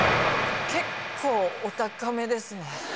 結構お高めですね。